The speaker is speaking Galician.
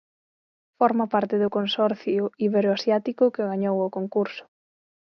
Forma parte do consorcio Iberoasiático que gañou o concurso.